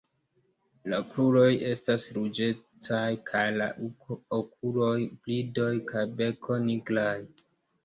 La kruroj estas ruĝecaj kaj la okuloj, bridoj kaj beko nigraj.